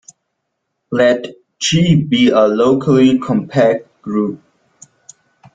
Let "G" be a locally compact group.